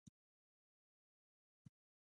کیمیا زموږ په ورځني ژوند کې څه رول لري.